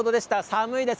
寒いです。